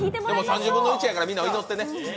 ３０分の１やから、みんな祈ってね。